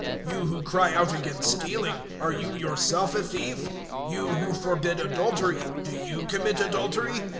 You who cry out against stealing, are you yourself a thief? 002:022 You who forbid adultery, do you commit adultery?